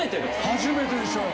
初めてでしょう？